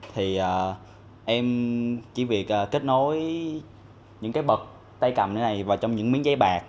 thì em chỉ việc kết nối những cái bậc tay cầm này này vào trong những miếng giấy bạc